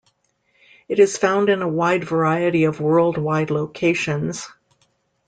It is found in a wide variety of worldwide locations.